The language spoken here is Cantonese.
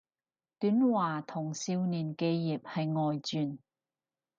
短話同少年寄葉係外傳